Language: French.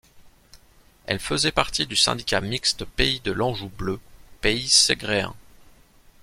Elle faisait partie du syndicat mixte Pays de l'Anjou bleu, Pays segréen.